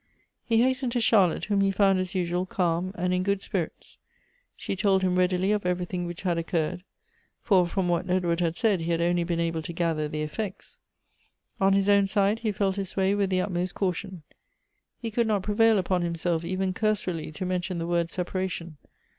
He liastened to Charlotte, whom he found as usual, calm and in good spirits. She told him readily of every thing which had occuri'ed ; for from what Edward had said he had only been able to gather the effects. On his own side, he felt his way with the utmost caution. He could not prevail upon himself even cursorily to mention the word separation.